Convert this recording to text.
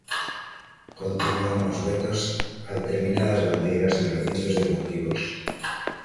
Continúan os vetos a determinadas bandeiras en recintos deportivos.